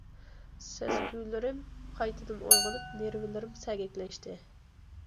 سەزگۈلىرىم قايتىدىن ئويغىنىپ، نېرۋىلىرىم سەگەكلەشتى.